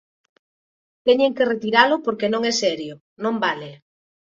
Teñen que retiralo porque non é serio, non vale.